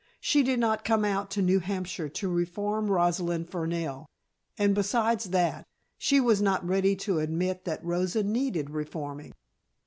She did not come out to New Hampshire to reform Rosalind Fernell, and besides that, she was not ready to admit that Rosa needed reforming.